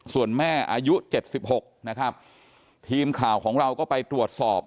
ส่วนแม่อายุ๗๖นะครับทีมข่าวของเราก็ไปตรวจสอบ